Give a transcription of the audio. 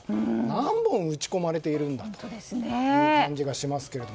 何本、打ち込まれているんだという感じがしますけど。